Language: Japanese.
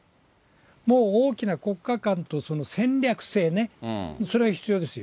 もう大きな国家観と戦略性ね、それが必要ですよ。